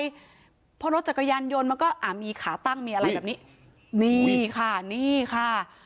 เย็นคิดว่าพอรถจักรยานยนต์มันก็มีขาตั้งมีอะไรแบบนี้นี่ค่ะ